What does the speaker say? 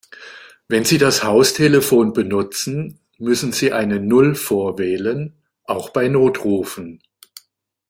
Wenn Sie das Haustelefon benutzen, müssen Sie eine Null vorwählen, auch bei Notrufen.